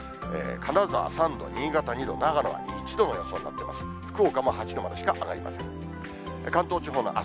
金沢３度、新潟２度、長野は１度の予想となっています。